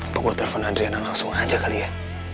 atau gua telepon adriana langsung aja kali ya